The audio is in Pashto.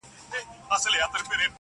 د غلا خبري پټي ساتي.